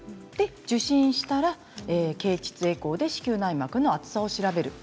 受診したら、経ちつエコーで子宮内膜の厚さを調べる。